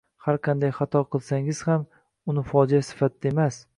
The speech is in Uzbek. har qanday xato qilsangiz ham uni fojea sifatida emas